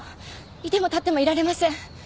居ても立ってもいられません！